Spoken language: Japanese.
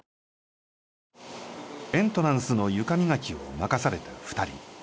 エントランスの床磨きを任された２人。